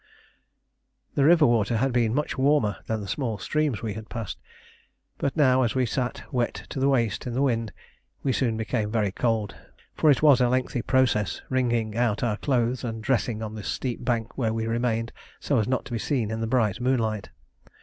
The river water had been much warmer than the small streams we had passed, but now as we sat wet to the waist in the wind we soon became very cold; for it was a lengthy process wringing out our clothes and dressing on the steep bank where we remained so as not to be seen in the bright moonlight.